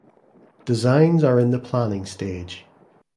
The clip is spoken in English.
Designs are in the planning stage